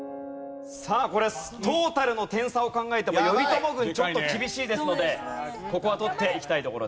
さあこれトータルの点差を考えても頼朝軍ちょっと厳しいですのでここは取っていきたいところです。